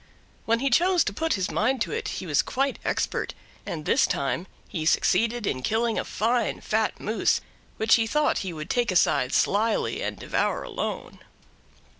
When he chose to put his mind to it he was quite expert, and this time he succeeded in killing a fine fat moose which he thought he would take aside slyly and devour alone.